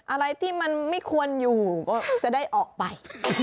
อะไรที่มันไม่ควรอยู่ก็จะได้ออกไป